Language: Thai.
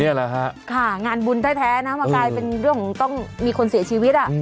นี่แหละฮะค่ะงานบุญแท้นะมากลายเป็นเรื่องของต้องมีคนเสียชีวิตอ่ะ